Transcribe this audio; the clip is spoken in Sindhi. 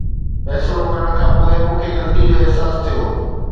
فيصلو ڪرڻ کان پوءِ مون کي غلطي جو احساس ٿيو.